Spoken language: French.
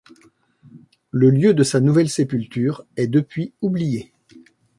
Le lieu de sa nouvelle sépulture est depuis oublié.